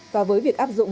và với việc áp dụng